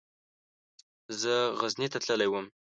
زه غزني ته تللی وم.